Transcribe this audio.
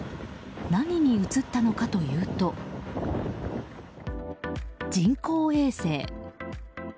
何に映ったのかというと人工衛星。